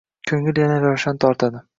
Ko‘ngil yana ravshan tortadi.